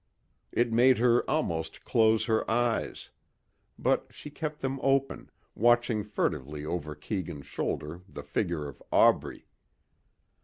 It made her almost close her eyes. But she kept them open, watching furtively over Keegan's shoulder the figure of Aubrey.